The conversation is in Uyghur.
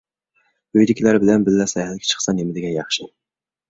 ئۆيدىكىلەر بىلەن بىللە ساياھەتكە چىقسا نېمىدېگەن ياخشى!